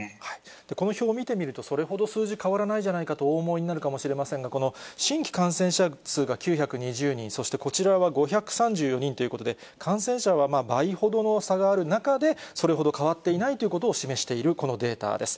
この表を見てみると、それほど数字、変わらないじゃないかとお思いになるかもしれませんが、この新規感染者数が９２０人、そしてこちらは５３４人ということで、感染者は倍ほどの差がある中で、それほど変わっていないということを示しているこのデータです。